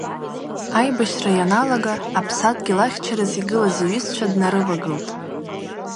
Аибашьра ианалага, аԥсадгьыл ахьчараз игылаз иҩызцәа днарывагылт.